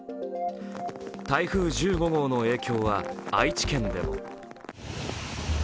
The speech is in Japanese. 台風１５号の影響は愛知県でも。